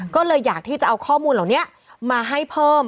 ก็เลยอยากที่จะเอาข้อมูลเหล่านี้มาให้เพิ่ม